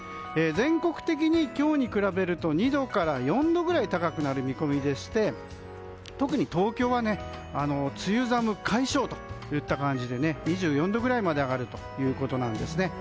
全国的に今日と比べると２度から４度ぐらい高くなる見込みでして特に東京は梅雨寒解消といった感じで２４度ぐらいまで上がるということなんです。